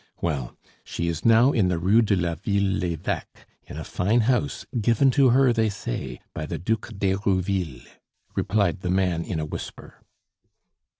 "Well, she is now in the Rue de la Ville l'Eveque, in a fine house, given to her, they say, by the Duc d'Herouville," replied the man in a whisper.